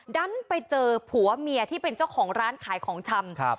ดันไปเจอผัวเมียที่เป็นเจ้าของร้านขายของชำ